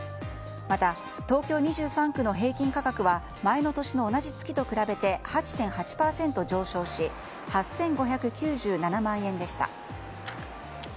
また、東京２３区の平均価格は前の年の同じ月と比べて８．８％上昇し８５９７万円でした。